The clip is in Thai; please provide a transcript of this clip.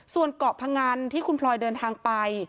ส่วนเกาะพงันที่คุณพลอยเดินทางไป